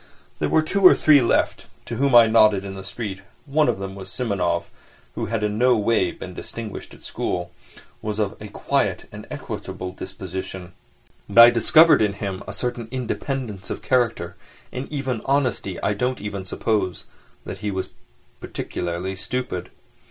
There were two or three left to whom I nodded in the street. One of them was Simonov, who had in no way been distinguished at school, was of a quiet and equable disposition; but I discovered in him a certain independence of character and even honesty I don't even suppose that he was particularly stupid.